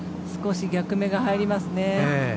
少し逆目が入りますね。